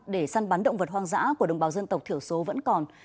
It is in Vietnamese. để săn bắn động vật hoang dã của đồng bào dân tộc thiểu số vẫn còn